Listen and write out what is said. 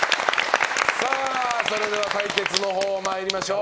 それでは対決のほう参りましょう。